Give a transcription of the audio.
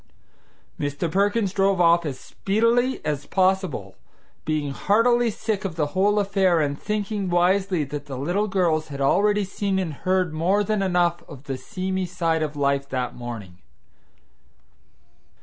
Mr. Perkins drove off as speedily as possible, being heartily sick of the whole affair, and thinking wisely that the little girls had already seen and heard more than enough of the seamy side of life that morning.